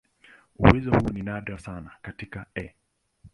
Uwezo huu ni nadra sana katika "E.